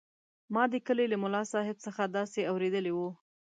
ما د کلي له ملاصاحب څخه داسې اورېدلي وو.